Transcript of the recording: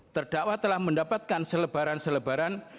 terdakwa telah mendapatkan selebaran selebaran